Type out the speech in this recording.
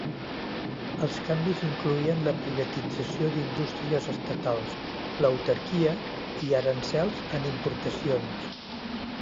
Els canvis incloïen la privatització d'indústries estatals, l'autarquia, i aranzels en importacions.